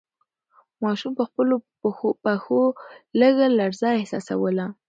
ماشوم په خپلو پښو کې لږه لړزه احساسوله.